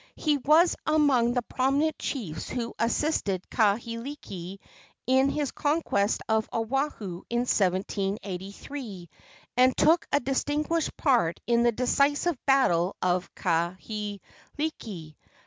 He was among the prominent chiefs who assisted Kahekili in his conquest of Oahu in 1783, and took a distinguished part in the decisive battle of Kaheiki.